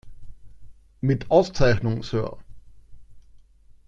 Mit Auszeichnung, Sir!